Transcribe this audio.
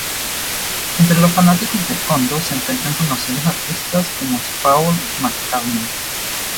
Entre los fanáticos de Kondō se encuentran conocidos artistas como Paul McCartney.